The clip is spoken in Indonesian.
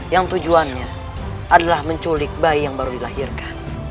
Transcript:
yang tujuannya adalah menculik bayi yang baru dilahirkan